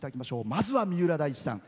まずは三浦大知さん